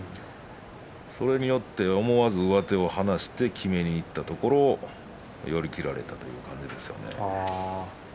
それによって思わず上手を離してきめにいったところを寄り切られてしまったということです。